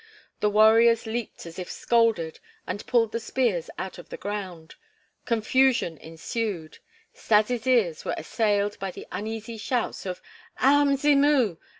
The warriors leaped as if scalded, and pulled the spears out of the ground. Confusion ensued. Stas' ears were assailed by the uneasy shouts of: "Our Mzimu!